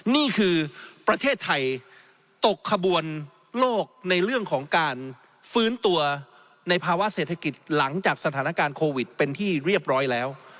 นี่คือประเทศไทยตกขบวนโลกในเรื่องของการฟื้นตัวในภาวะเศรษฐกิจหลังจากสถานการณ์โควิดเป็นที่เรียบร้อยแล้ว